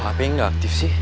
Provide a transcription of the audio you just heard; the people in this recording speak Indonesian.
adriana gue hp nggak aktif sih